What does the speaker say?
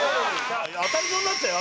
「当たりそうになってたよ。